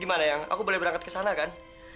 gimana ya aku boleh berangkat ke sana kan